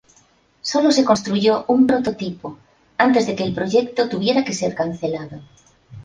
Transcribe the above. Solo se construyó un prototipo, antes de que el proyecto tuviera que ser cancelado.